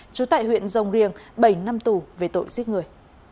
trú tại huyện rồng riềng bảy năm tù về tội giết người